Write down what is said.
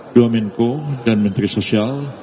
duwamenko dan menteri sosial